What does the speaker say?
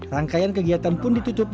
rangkaian kegiatan pun ditutupkan